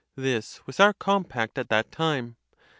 This was our compact at that time.